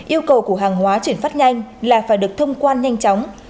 yêu cầu của hàng hóa chuyển phát nhanh là phải được thông quan nhanh chóng